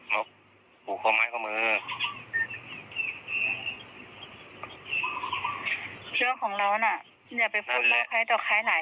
ไม่ได้ไม่ไม่ไม่เคยว่าเล่าหรอกจะไปเล่าสมัย